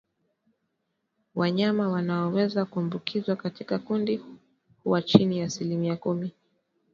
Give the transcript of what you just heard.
Wanyama wanaoweza kuambukizwa katika kundi huwachini ya asilimia kumi